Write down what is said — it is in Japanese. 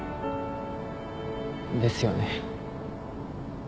ですよね。